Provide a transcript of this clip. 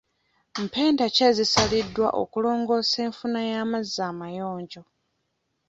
Mpenda ki ezisaliddwa okulongoosa enfuna y'amazzi amayonjo?